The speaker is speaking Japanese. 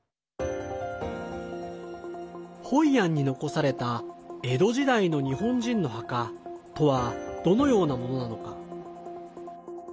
ホイアンに残された江戸時代の日本人の墓とはどのようなものなのか。